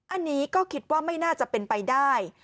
อันนี้ก็คิดว่าไม่น่าจะเป็นไปได้